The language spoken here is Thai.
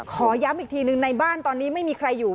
ขอย้ำอีกทีนึงในบ้านตอนนี้ไม่มีใครอยู่